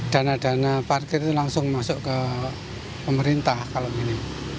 dana dana parkir itu langsung masuk ke pemerintah kalau gini